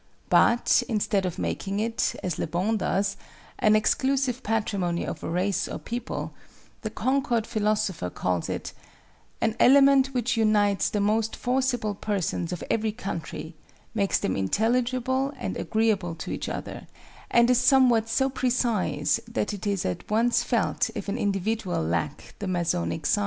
But, instead of making it, as LeBon does, an exclusive patrimony of a race or people, the Concord philosopher calls it "an element which unites the most forcible persons of every country; makes them intelligible and agreeable to each other; and is somewhat so precise that it is at once felt if an individual lack the Masonic sign."